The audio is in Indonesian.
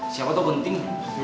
siapa tau penting